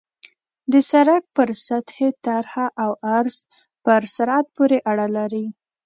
د سرک د سطحې طرح او عرض په سرعت پورې اړه لري